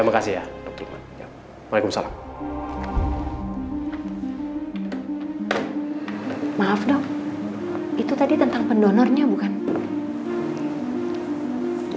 maaf dok itu tadi tentang pendonornya bukan